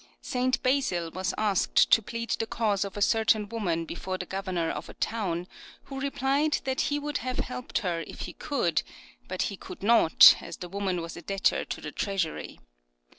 St. Basil was asked to plead the cause of a certain woman before the governor of a town, who replied that he would have helped her if he could ; but he could not. POPULAR PROVERBS 267 as the woman was a debtor to the treasury.